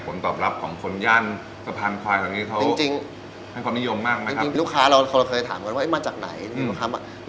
ผลตอบรับของคนย่านสะพานควายทางนี้เขาจริงจริงให้ความนิยมมากไหมครับ